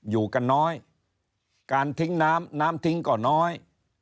อยู่กันน้อยการทิ้งน้ำน้ำทิ้งก็น้อย